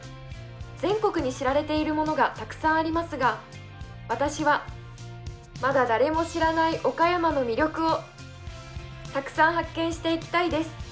全国に知られているものがたくさんありますが、私はまだ誰も知らない岡山の魅力をたくさん発見していきたいです。